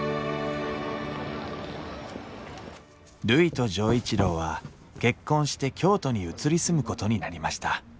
るいと錠一郎は結婚して京都に移り住むことになりました